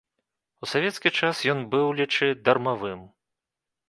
У савецкі час ён быў, лічы, дармавым.